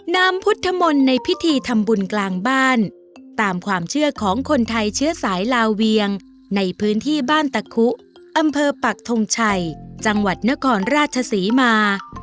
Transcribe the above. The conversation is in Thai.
นามพุทธมนต์ในพิธีทำบุญกลางบ้านตามความเชื่อของคนไทยเชื้อสายลาเวียงในพื้นที่บ้านตะคุอำเภอปักทงชัยจังหวัดนครราชศรีมา